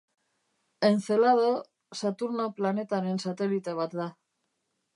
Encelado Saturno planetaren satelite bat da.